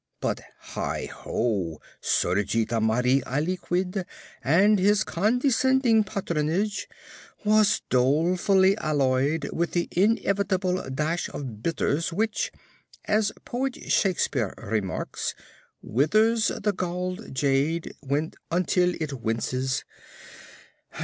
But, heigh ho! surgit amari aliquid, and his condescending patronage was dolefully alloyed with the inevitable dash of bitters which, as Poet SHAKSPEARE remarks, withers the galled jade until it winces.